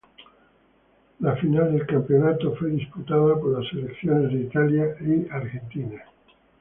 La final del campeonato fue disputada por las selecciones de Italia y Argentina.